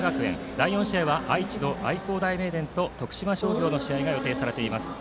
第４試合は愛知の愛工大名電と徳島商業の試合が予定されています。